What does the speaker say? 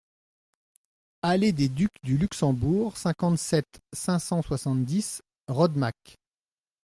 Allée des Ducs du Luxembourg, cinquante-sept, cinq cent soixante-dix Rodemack